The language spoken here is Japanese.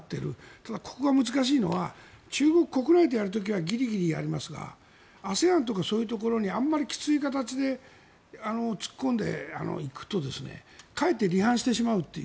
ただ、ここが難しいのは中国国内でやる時はギリギリやりますがＡＳＥＡＮとかそういうところにあまりきつい形で突っ込んでいくとかえって離反してしまうという。